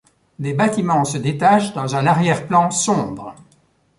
Des bâtiments se détachent dans un arrière-plan sombre.